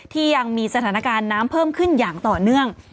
ที่ยังมีสถานการณ์น้ำเพิ่มขึ้นอย่างต่อเนื่อง